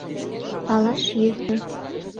Палаш йӧсӧ.